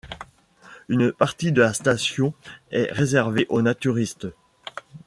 Une partie de la station est réservée aux naturistes.